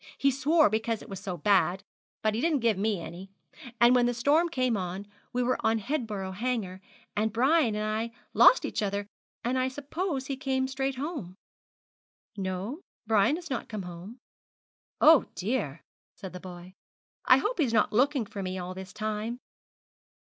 He swore because it was so bad, but he didn't give me any; and when the storm came on we were on Headborough Hanger, and Brian and I lost each other, and I suppose he came straight home.' 'No, Brian has not come home.' 'Oh, dear,' said the boy; 'I hope he's not looking for me all this time.'